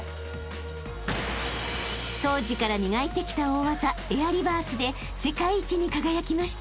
［当時から磨いてきた大技エアリバースで世界一に輝きました］